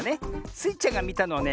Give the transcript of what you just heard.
スイちゃんがみたのはね